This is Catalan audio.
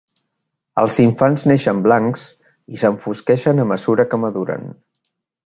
Els infants neixen blancs i s'enfosqueixen a mesura que maduren.